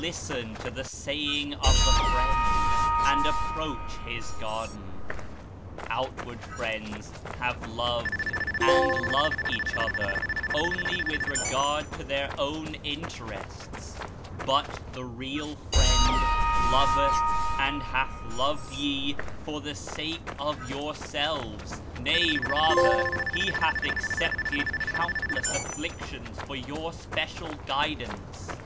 Listen to the Saying of the Friend, and approach His Garden. Outward Friends have loved and love each other, only with regard to their own interests; but the real Friend loveth and hath loved ye for the sake of yourselves – nay rather He hath accepted countless afflictions for your special guidance.